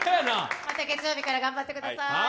また月曜日から頑張ってください。